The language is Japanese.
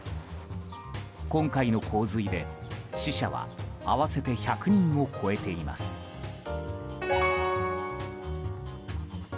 今回の洪水で、死者は合わせて１００人を超えています。